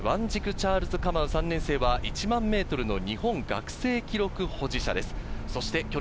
ワンジク・チャールズ・カマウ、３年生は１００００ｍの日本学生記録保持者です。